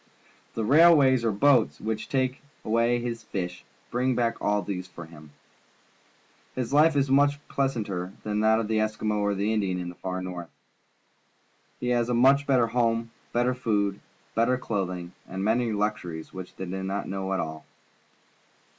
The railways or boats, which take away his fish, bring back all these things for him. His fife is much pleasanter than that of the Eskimo or of the Indian in the far North. He has a better home, better food, better clothing, and many luxuries which they do not know at all.